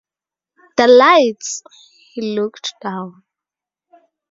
“The lights!” He looked down.